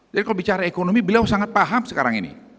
kalau bicara ekonomi beliau sangat paham sekarang ini